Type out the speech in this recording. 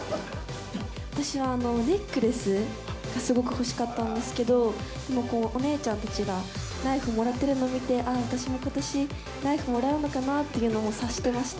私はネックレスがすごく欲しかったんですけど、でもお姉ちゃんたちがナイフもらってるのを見て、ああ、私もことし、ナイフをもらうのかなっていうのも察してました。